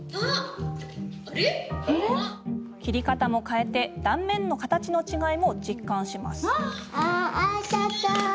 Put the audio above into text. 切り方も変え断面の形の違いも実感します。